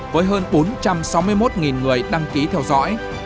với hơn bốn trăm sáu mươi một người đăng ký theo dõi